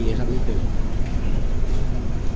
ก็คิดว่าภายในปี๒ปีครับ